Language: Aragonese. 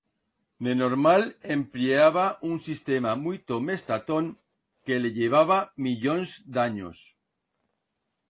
De normal, emplleaba un sistema muito mes tatón que le llevaba millons d'anyos.